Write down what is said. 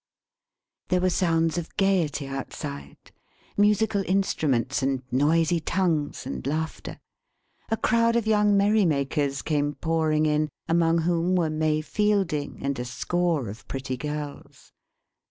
There were sounds of gaiety outside: musical instruments, and noisy tongues, and laughter. A crowd of young merry makers came pouring in; among whom were May Fielding and a score of pretty girls.